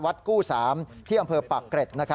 วัดกู้สามที่อำเภอปรักเกร็ด